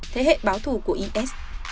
thế hệ báo thù của is